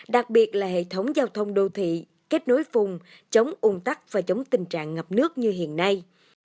đặc biệt là hệ thống giao thông đô thị kết nối vùng chống ung tắc và chống tình trạng ngập nước như hiện nay